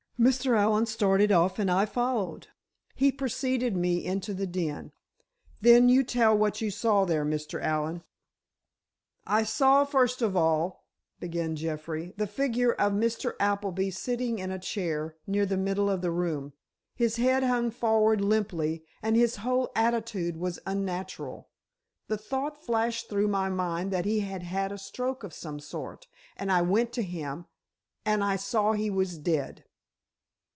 Mr. Allen started off and I followed. He preceded me into the den——" "Then you tell what you saw there, Mr. Allen." "I saw, first of all," began Jeffrey, "the figure of Mr. Appleby sitting in a chair, near the middle of the room. His head hung forward limply, and his whole attitude was unnatural. The thought flashed through my mind that he had had a stroke of some sort, and I went to him—and I saw he was dead."